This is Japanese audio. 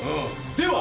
では！